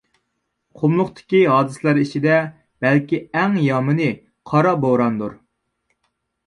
قۇملۇقتىكى ھادىسىلەر ئىچىدە بەلكى ئەڭ يامىنى قارا بوراندۇر.